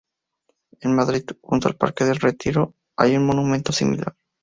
En Madrid, junto al parque del Retiro, hay un monumento similar.